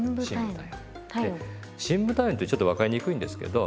深部体温ってちょっと分かりにくいんですけど